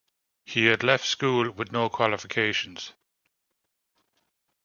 He had left school with no qualifications.